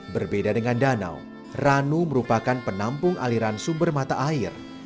berbeda dengan danau ranu merupakan penampung aliran sumber mata air